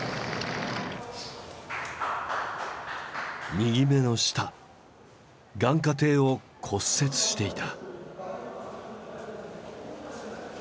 右目の下眼窩底を骨折していた。